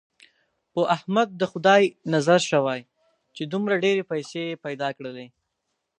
په احمد د خدای نظر شوی، چې دومره ډېرې پیسې یې پیدا کړلې.